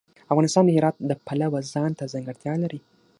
افغانستان د هرات د پلوه ځانته ځانګړتیا لري.